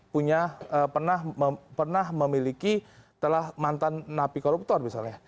punya pernah memiliki telah mantan napi koruptor misalnya